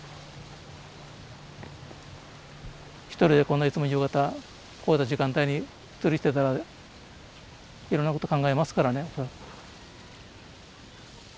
一人でこんないつも夕方こういった時間帯に釣りしてたらいろんなこと考えますからね。